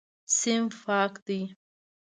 صنف پاک دی.